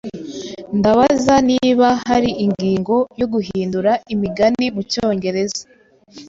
Ndabaza niba hari ingingo yo guhindura imigani mucyongereza.